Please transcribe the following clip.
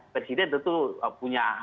presiden itu punya